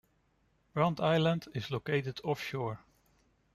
Brant Island is located offshore.